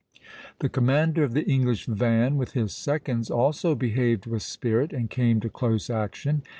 The commander of the English van, with his seconds, also behaved with spirit and came to close action.